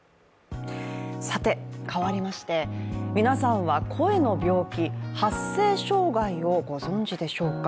変わりまして、皆さんは声の病気、発声障害をご存じでしょうか？